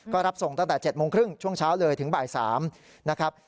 ก็รับส่งตั้งแต่๗โมงครึ่งช่วงเช้าเลยถึงบ่าย๓นะครับ